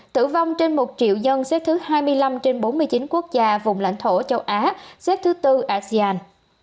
tử vong trên một triệu dân xếp thứ hai mươi năm trên bốn mươi chín quốc gia vùng lãnh thổ châu á xếp thứ tư asean